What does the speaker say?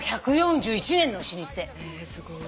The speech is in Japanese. へえすごい。